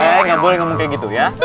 eh gak boleh ngomong kayak gitu ya